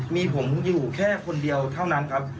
มีผมอยู่แค่คนเดียวเท่านั้นครับ